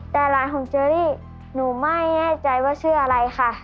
แต่หลานของเจอรี่หนูไม่แน่ใจว่าชื่ออะไรค่ะ